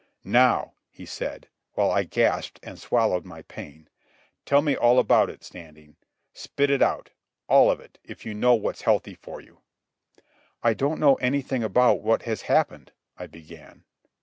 "Now," he said, while I gasped and swallowed my pain, "tell me all about it, Standing. Spit it out—all of it, if you know what's healthy for you." "I don't know anything about what has happened ...", I began.